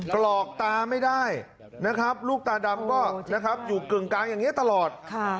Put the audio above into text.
กรอกตาไม่ได้ลูกตาดำก็อยู่กึ่งกลางอย่างนี้ตลอด